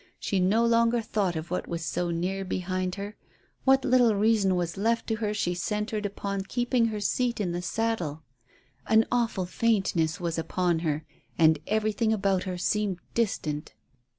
She no longer thought of what was so near behind her. What little reason was left to her she centred upon keeping her seat in the saddle. An awful faintness was upon her, and everything about her seemed distant.